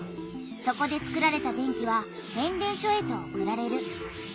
そこでつくられた電気は変電所へと送られる。